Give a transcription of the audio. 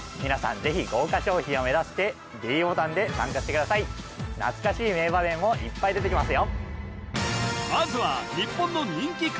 ぜひ豪華賞品を目指してｄボタンで参加してください懐かしい名場面もいっぱい出てきますよ